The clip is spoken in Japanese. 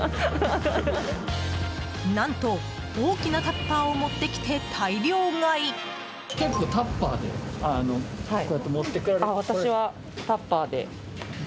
何と、大きなタッパーを持ってきて大量買い。